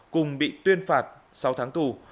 cùng bị tuyên phạt sáu tháng tù